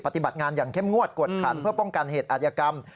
ปฏิบัติงานอย่างเข้มงวดกวดขันเพื่อป้องกันเหตุอาธิกรรม